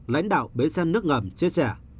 lãnh đạo bến xe nước ngầm chia sẻ